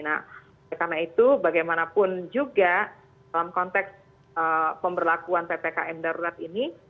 nah karena itu bagaimanapun juga dalam konteks pemberlakuan ppkm darurat ini